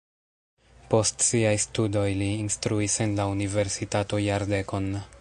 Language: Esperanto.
Post siaj studoj li instruis en la universitato jardekon.